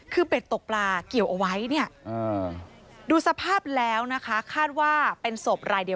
คือเบ็ดตกปลาเกี่ยวเอาไว้เนี่ย